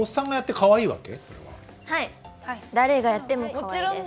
誰がやってもかわいいです。